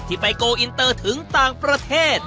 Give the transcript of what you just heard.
ไปโกลอินเตอร์ถึงต่างประเทศ